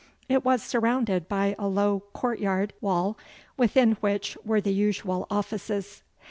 It was surrounded by a low court yard wall, within which were the usual offices.